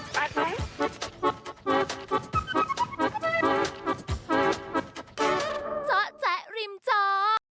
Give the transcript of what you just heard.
จ๊ะจ๊ะริมจ๊อบ